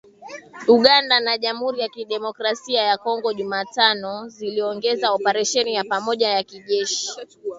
Uganda na Jamhuri ya Kidemokrasi ya Kongo Jumatano ziliongeza operesheni ya pamoja ya kijeshi